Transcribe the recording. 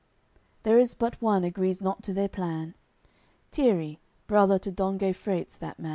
There is but one agrees not to their plan; Tierri, brother to Don Geifreit, 's that man.